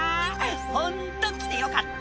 「ホント来てよかった」